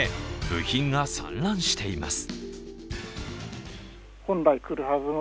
部品が散乱しています。